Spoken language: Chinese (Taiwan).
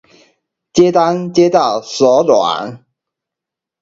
接單接到手軟